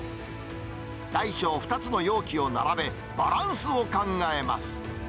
大小２つの容器を並べ、バランスを考えます。